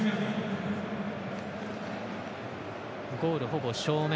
ゴールほぼ正面。